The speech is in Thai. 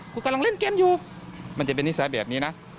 คุณกำลังเล่นเกมอยู่มันจะเป็นนิสัยแบบนี้นะ